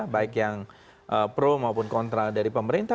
baik yang pro maupun kontra dari pemerintah